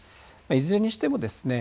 いずれにしてもですね